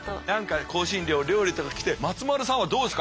香辛料料理ときて松丸さんはどうですか？